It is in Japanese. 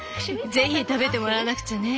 ぜひ食べてもらわなくちゃね。